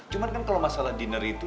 cuman kan kalau masalah dinner itu